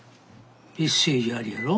メッセージありやろ？